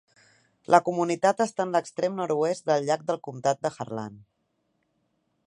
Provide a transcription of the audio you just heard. La comunitat està en l'extrem nord-oest del llac del comtat de Harlan.